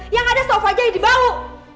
yang ada sofa aja yang dibau